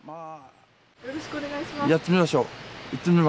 よろしくお願いします。